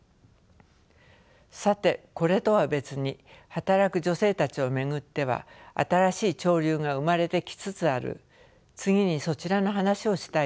さてこれとは別に働く女性たちを巡っては新しい潮流が生まれてきつつある次にそちらの話をしたいと思います。